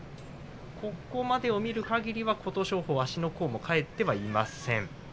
ここまでを見るかぎりは琴勝峰足の甲も返っていません。